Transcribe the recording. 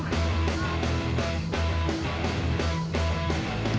kita bawa ke kantor polisi